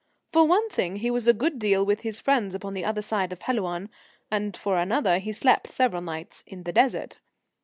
For one thing, he was a good deal with his friends upon the other side of Helouan, and for another, he slept several nights in the Desert.